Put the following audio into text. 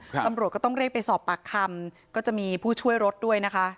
ตำรวจก็ต้องเรียกไปสอบปากคำก็จะมีผู้ช่วยรถด้วยนะคะ